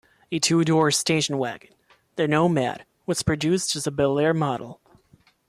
A two-door station wagon, the Nomad was produced as a Bel Air model.